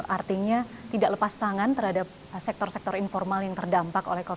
artinya tidak lepas tangan terhadap sektor sektor informal yang terdampak oleh covid sembilan belas